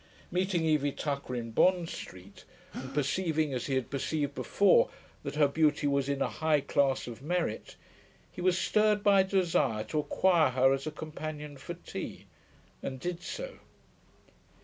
Meeting Evie Tucker in Bond Street, and perceiving, as he had perceived before, that her beauty was in a high class of merit, he was stirred by a desire to acquire her as a companion for tea, and did so.